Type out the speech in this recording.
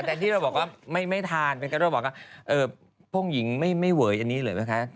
แบบว่าผ้องหญิงเราก็ไม่เวยก็สำหรับมันนะคะ